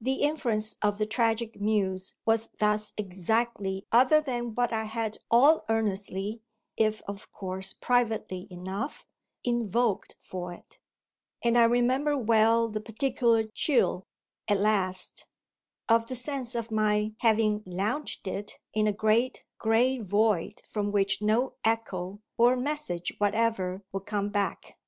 The influence of The Tragic Muse was thus exactly other than what I had all earnestly (if of course privately enough) invoked for it, and I remember well the particular chill, at last, of the sense of my having launched it in a great grey void from which no echo or message whatever would come back.